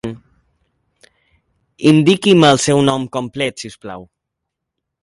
Indiqui'm el seu nom complet si us plau.